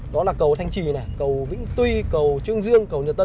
đó là cầu thanh trì cầu vĩnh tuy cầu trương dương cầu nhật tây